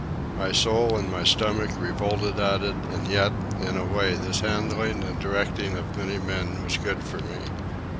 My soul and my stomach revolted at it; and yet, in a way, this handling and directing of many men was good for me.